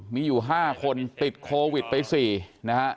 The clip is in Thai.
มีอยู่๕คนติดโควิด๔นะครับ